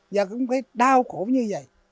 và cũng phải đau khổ như vậy